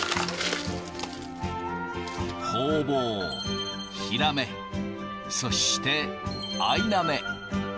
ホウボウ、ヒラメ、そしてアイナメ。